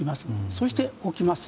そして置きます。